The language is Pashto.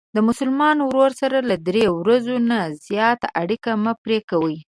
د مسلمان ورور سره له درې ورځو نه زیاتې اړیکې مه پری کوه.